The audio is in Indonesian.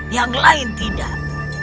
yang lain tidak